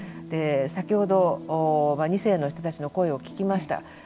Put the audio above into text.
先ほど２世の人たちの声を聞きました。